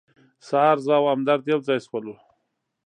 سهار زه او همدرد یو ځای شولو.